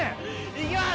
行きます！